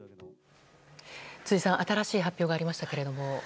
辻さん、新しい発表がありましたけれども。